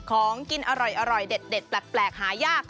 ของกินอร่อยเด็ดแปลกหายาก